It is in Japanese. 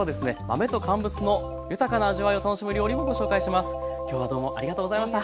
豆と乾物の豊かな味わいを楽しむ料理もご紹介します。